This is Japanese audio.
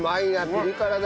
ピリ辛だ。